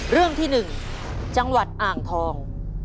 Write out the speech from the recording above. เรื่องที่๑จังหวัดอ่างทอง